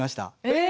え？